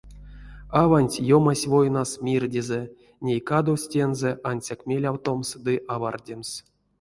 Аванть ёмась войнас мирдезэ, ней кадовсь тензэ ансяк мелявтомс ды авардемс.